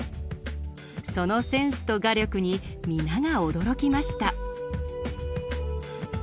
そのセンスと画力に皆が驚きました。